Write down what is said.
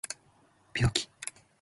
病気